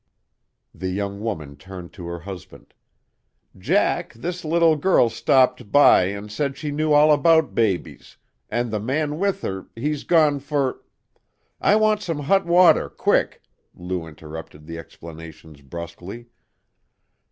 The young woman turned to her husband. "Jack, this little girl stopped by and said she knew all about babies, and the man with her, he's gone for " "I want some hot water, quick!" Lou interrupted the explanations brusquely.